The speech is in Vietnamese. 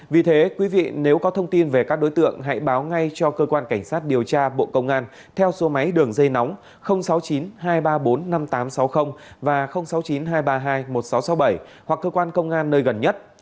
vì thế quý vị nếu có thông tin về các đối tượng hãy báo ngay cho cơ quan cảnh sát điều tra bộ công an theo số máy đường dây nóng sáu mươi chín hai trăm ba mươi bốn năm nghìn tám trăm sáu mươi và sáu mươi chín hai trăm ba mươi hai một nghìn sáu trăm sáu mươi bảy hoặc cơ quan công an nơi gần nhất